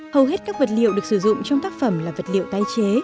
hầu hết các vật liệu được sử dụng trong tác phẩm là vật liệu tái chế